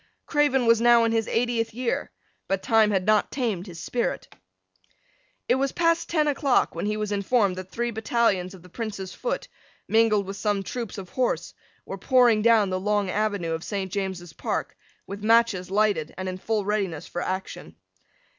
Craven was now in his eightieth year; but time had not tamed his spirit. It was past ten o'clock when he was informed that three battalions of the Prince's foot, mingled with some troops of horse, were pouring down the long avenue of St. James's Park, with matches lighted, and in full readiness for action.